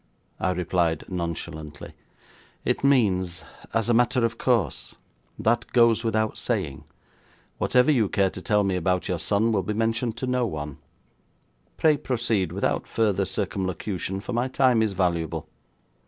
I replied nonchalantly, 'It means, as a matter of course; that goes without saying. Whatever you care to tell me about your son will be mentioned to no one. Pray proceed, without further circumlocution, for my time is valuable.'